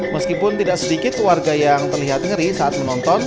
meskipun tidak sedikit warga yang terlihat ngeri saat menonton